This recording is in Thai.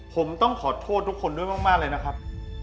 ผมต้องขอโทษทุกคนด้วยมากเลยนะครับ